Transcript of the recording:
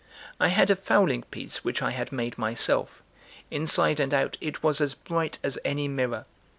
I had a fowling piece which I had made myself; inside and out it was as bright as any mirror.